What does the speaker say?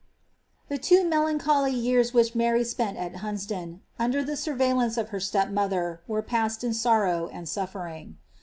The two melancholy years which Mary spent at Hunsdon. under the surveillance of her step mother, were passed in sorrow and snlTering.